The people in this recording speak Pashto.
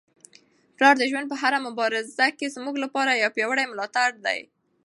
پلار د ژوند په هره مبارزه کي زموږ لپاره یو پیاوړی ملاتړی دی.